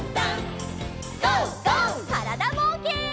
からだぼうけん。